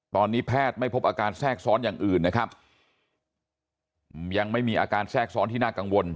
ตอนนี้แพทย์ไม่พบอาการแทรกซ้อนอย่างอื่นนะครับยังไม่มีอาการแทรกซ้อนที่น่ากังวล